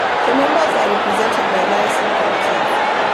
The Members are represented by Liaison Committees.